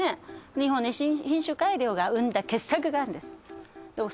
日本の品種改良が生んだ傑作があるんです